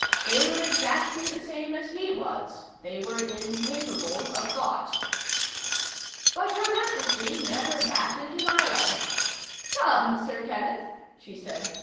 They were exactly the same as he was. They were incapable of thought. But Her Majesty never batted an eyelash. "Come, Sir Kenneth," she said.